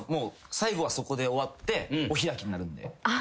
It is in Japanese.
最後はそこで終わってお開きになるんで。